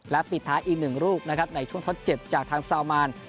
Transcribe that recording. และปิดท้ายอีก๑ลูกนะครับในช่วงทดเจ็บจากทางซาวมาน